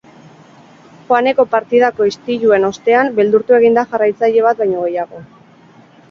Joaneko partidako istiluen ostean beldurtu egin da jarraitzaile bat baino gehiago.